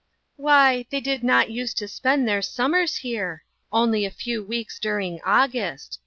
" Why, they did not use to spend their summers here ; only a few weeks during August.